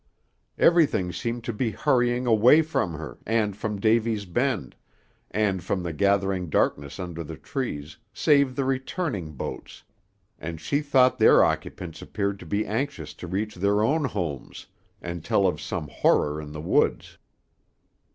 Everything seemed to be hurrying away from her, and from Davy's Bend, and from the gathering darkness under the trees, save the returning boats, and she thought their occupants appeared to be anxious to reach their own homes, and tell of some horror in the woods.